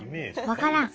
分からん。